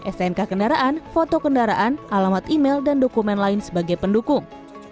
stnk kendaraan foto kendaraan alamat email dan dokumen lain sebagai pendukung